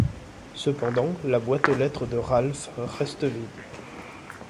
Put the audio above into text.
Cependant, la boîte aux lettres de Ralph reste vide.